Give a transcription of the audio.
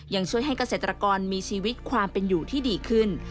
ยังช่วยให้เกษตรกรมีชีวิตความเป็นอยู่ที่ดีขึ้น